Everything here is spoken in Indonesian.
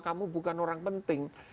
kamu bukan orang penting